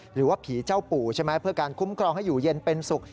หรือว่าผีเจ้าปู่ใช่ไหมเพื่อการคุ้มครองให้อยู่เย็นเป็นสุข